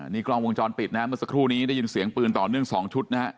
นี่กล้องวงจรปิดนะฮะเมื่อสักครู่นี้ได้ยินเสียงปืนต่อเนื่อง๒ชุดนะฮะ